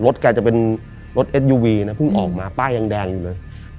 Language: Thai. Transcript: แกจะเป็นรถเอ็ดยูวีนะเพิ่งออกมาป้ายยังแดงอยู่เลย